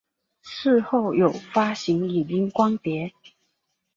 事后有发行影音光碟。